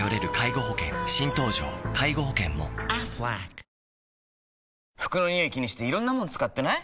果たして服のニオイ気にしていろんなもの使ってない？